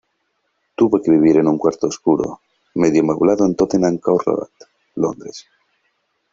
Tuvo que vivir en un cuarto oscuro, medio amueblado en Tottenham Court Road, Londres.